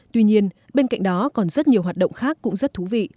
tuy nhiên bên cạnh đó còn rất nhiều hoạt động khác cũng rất thú vị